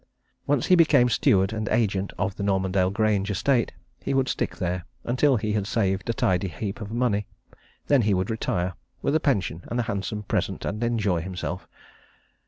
Once he became steward and agent of the Normandale Grange estate, he would stick there, until he had saved a tidy heap of money. Then he would retire with a pension and a handsome present and enjoy himself.